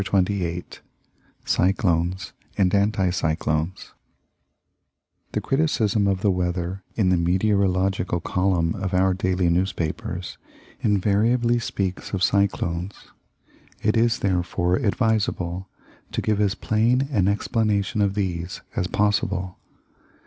CHAPTER XXIX CYCLONES AND ANTI CYCLONES The criticism of the weather in the meteorological column of our daily newspapers invariably speaks of "cyclones." It is, therefore, advisable to give as plain an explanation of these as possible.